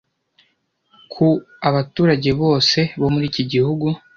ku abaturage bose muri iki gihe